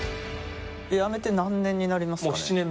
辞めて何年になりますかね？